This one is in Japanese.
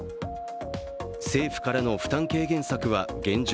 政府からの負担軽減策は現状